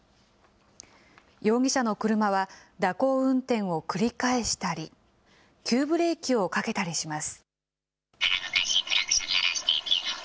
容疑者の車は蛇行運転を繰り返したり、急ブレーキをかけたりします。